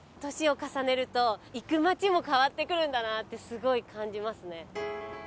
年を重ねると行く街も変わってくるんだなってすごい感じますね。